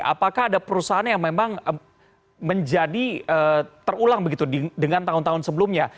apakah ada perusahaan yang memang menjadi terulang begitu dengan tahun tahun sebelumnya